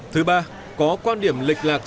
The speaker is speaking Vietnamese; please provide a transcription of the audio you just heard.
thứ ba có quan điểm lịch lạc